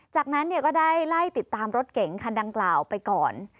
จากนั้นก็ได้ไล่ติดตามรถเก๋งคันดังกล่าวไปก่อน